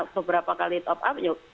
beberapa kali top up